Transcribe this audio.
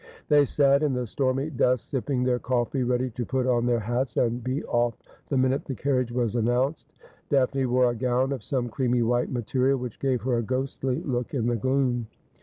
They sat in the stormy dusk sipping their coifee, ready to put on their hats and be off: the minute the carriage was announced. Daphne wore a gown of some creamy white mate rial, which gave her a ghostly look in the gloom.